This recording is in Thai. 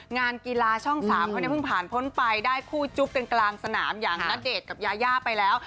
งานกีศาชนม๓เขาเนี่ยภ่านพ้นไปได้คู่จุ๊บกลางสนามอย่างนัดเดทกับยายาไปแล้ว